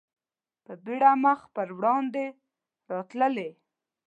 په بېړه مخ په وړاندې راتللې.